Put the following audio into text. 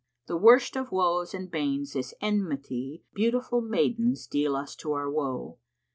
The worst of woes and banes is enmity * Beautiful maidens deal us to our woe.